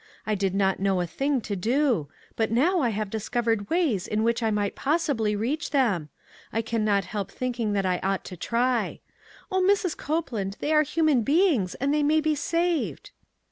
I did not know a thing to do ; but now I have discovered ways in which I might possibly reach them. I can not help thinking that I ought to try. O, Mrs. Copeland, they are human beings, and they may be saved